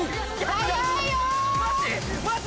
マジ？